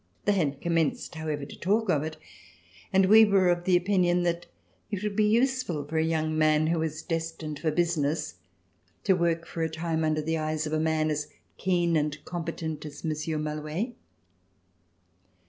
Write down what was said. They had commenced, however, to talk of it, and we were of the opinion that it would be useful for a young man who was destined for business to work for a time under the eyes of a man as keen and as compe tent as Monsieur Malouet.